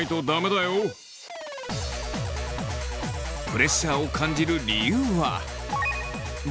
プレッシャーを感じる理由は。などの声が。